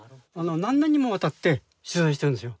何年にもわたって取材してるんですよ。